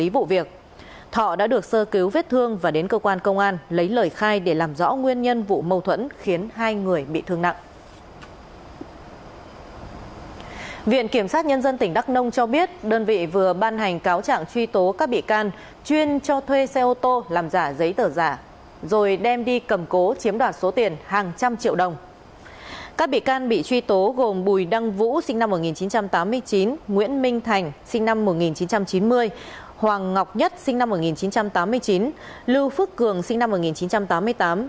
bùi đăng vũ sinh năm một nghìn chín trăm tám mươi chín nguyễn minh thành sinh năm một nghìn chín trăm chín mươi hoàng ngọc nhất sinh năm một nghìn chín trăm tám mươi chín lưu phước cường sinh năm một nghìn chín trăm tám mươi tám